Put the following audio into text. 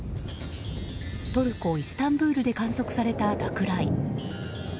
トルコ・イスタンブールで観測された落雷。